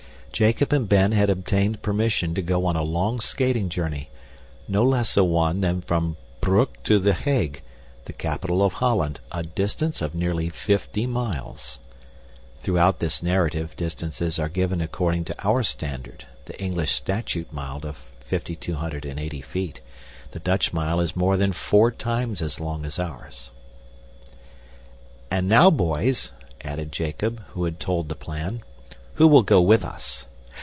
Jacob and Ben had obtained permission to go on a long skating journey no less a one than from Broek to The Hague, the capital of Holland, a distance of nearly fifty miles! *{Throughout this narrative distances are given according to our standard, the English statute mile of 5,280 feet. The Dutch mile is more than four times as long as ours.} "And now, boys," added Jacob, when he had told the plan, "who will go with us?"